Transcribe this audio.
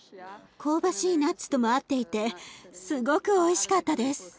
香ばしいナッツとも合っていてすごくおいしかったです。